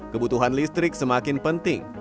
kebutuhan listrik semakin penting